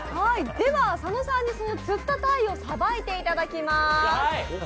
佐野さんにつったたいをさばいていただきます。